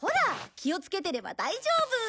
気をつけてれば大丈夫。